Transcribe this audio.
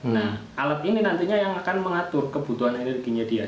nah alat ini nantinya yang akan mengatur kebutuhan energinya dia